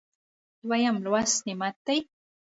دویم لوست نعت دی.